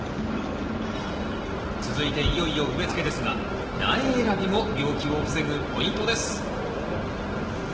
続いていよいよ植えつけですが苗選びも病気を防ぐポイントです。